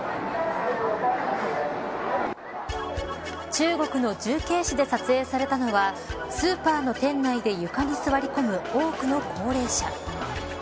中国の重慶市で撮影されたのはスーパーの店内で床に座り込む多くの高齢者。